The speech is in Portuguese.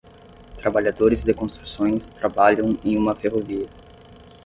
Trabalhadores de construções trabalham em uma ferrovia.